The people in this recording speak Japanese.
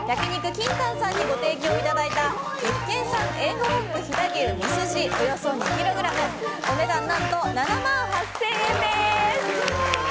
ＫＩＮＴＡＮさんにご提供いただいた岐阜県産Ａ５ランク飛騨牛ミスジおよそ２ｋｇお値段、何と７万８０００円です。